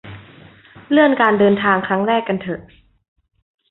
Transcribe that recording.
เลื่อนการเดินทางครั้งแรกกันเถอะ